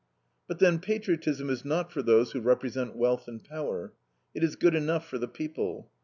But, then, patriotism is not for those who represent wealth and power. It is good enough for the people.